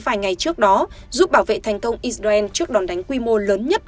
vài ngày trước đó giúp bảo vệ thành công israel trước đòn đánh quy mô lớn nhất